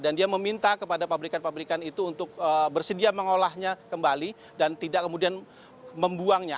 dan dia meminta kepada pabrikan pabrikan itu untuk bersedia mengolahnya kembali dan tidak kemudian membuangnya